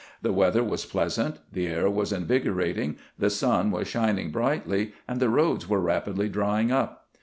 The "weather was pleasant, the air was invigorating, the sun was shining brightly, and the roads were rapidly drying up.